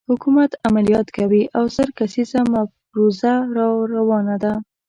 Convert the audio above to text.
حکومت عملیات کوي او زر کسیزه مفروزه راروانه ده.